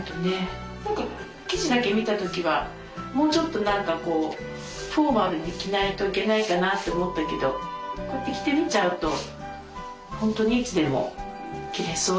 何か生地だけ見た時はもうちょっと何かこうフォーマルに着ないといけないかなって思ったけどこうやって着てみちゃうと本当にいつでも着れそうだね。